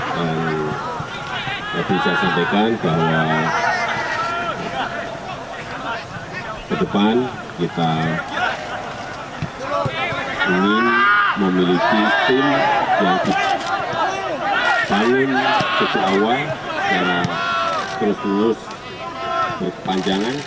saya ingin menyampaikan bahwa ke depan kita ingin memiliki tim yang terbangun ke awal secara terus terus berkepanjangan